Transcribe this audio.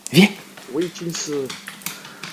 篦子三尖杉为三尖杉科三尖杉属的植物。